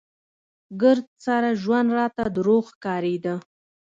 ګرد سره ژوند راته دروغ ښکارېده.